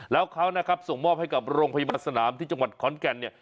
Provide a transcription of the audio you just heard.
แล้วเขานะครับส่งมอบให้กับโรงพยาบาลสนามที่จังหวัดขอนแก่นเนี่ย